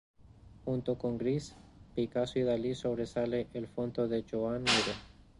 Junto con Gris, Picasso y Dalí, sobresale el fondo de Joan Miró.